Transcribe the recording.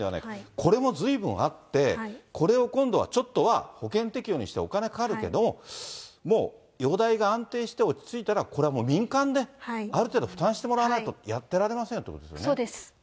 これもずいぶんあって、これを今度はちょっとは保険適用にして、お金かかるけれども、もう容体が安定して落ち着いたら、これはもう民間で、ある程度負担してもらわないとやってやれませんよということですそうです。